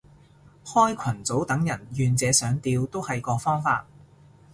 開群組等人願者上釣都係個方法